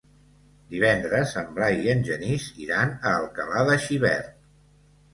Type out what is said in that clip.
Divendres en Blai i en Genís iran a Alcalà de Xivert.